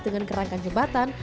dengan kerangkan jembatan